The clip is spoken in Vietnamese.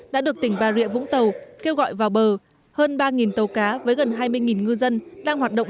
đã được tỉnh bà rịa vũng tàu kêu gọi vào bờ hơn ba tàu cá với gần hai mươi ngư dân đang hoạt động